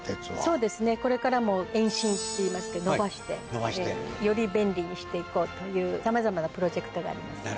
そうですねこれからも延伸っていいますけど延ばしてより便利にしていこうというさまざまなプロジェクトがあります。